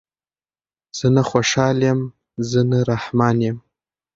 زه نه خوشحال یم زه نه رحمان یم